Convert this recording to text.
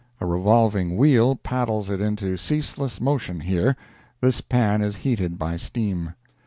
A revolving wheel paddles it into ceaseless motion here. This pan is heated by steam.